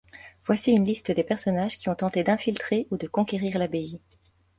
Voici une liste des personnages qui ont tenté d'infiltrer ou de conquérir l'abbaye.